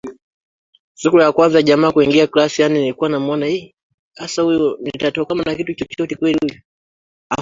Wote wawe na umoja kama wewe Baba ulivyo ndani yangu nami ndani yako